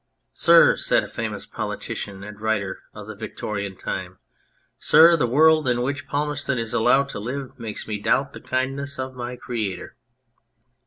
"Sir!" said a famous politician and writer of the Victorian time " Sir ! the world in which Palmerston is allowed to live makes me doubt the kindness of my Creator